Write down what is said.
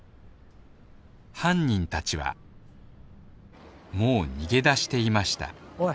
犯人たちはもう逃げ出していましたおい！